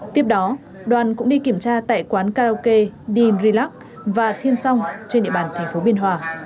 tiếp đó đoàn cũng đi kiểm tra tại quán karaoke dean relax và thiên song trên địa bàn tp biên hòa